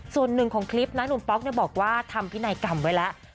ส่วนหนึ่งของคลิปนะหนุ่มป๊อกบอกว่าทำพินัยกรรมไว้แล้ว